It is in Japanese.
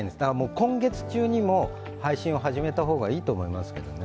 今月中にも配信を始めた方がいいと思いますけどね。